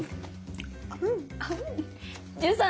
１３！